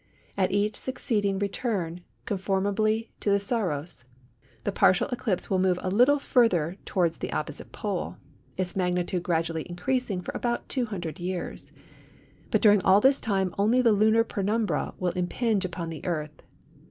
At each succeeding return conformably to the Saros, the partial eclipse will move a little further towards the opposite pole, its magnitude gradually increasing for about 200 years, but during all this time only the lunar penumbra will impinge upon the Earth.